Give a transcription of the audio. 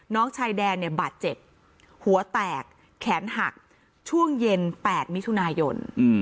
น้องชายแดนเนี่ยบาดเจ็บหัวแตกแขนหักช่วงเย็น๘มิถุนายน